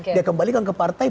dia kembalikan ke partai